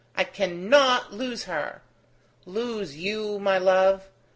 I cannot lose her. Lose you, my love?